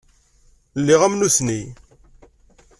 Lliɣ am nutni.